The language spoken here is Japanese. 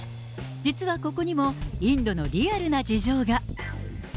実はここにもインドのリアルな事情が。